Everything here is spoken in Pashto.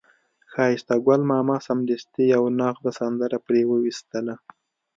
ښایسته ګل ماما سمدستي یوه نغده سندره پرې وویستله.